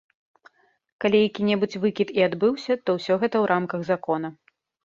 Калі які-небудзь выкід і адбыўся, то ўсё гэта ў рамках закона.